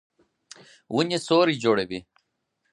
ونې سیوری جوړوي.